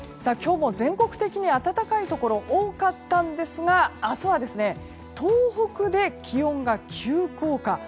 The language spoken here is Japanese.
今日も全国的に暖かいところ多かったんですが明日は、東北で気温が急降下。